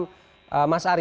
selamat malam mas ari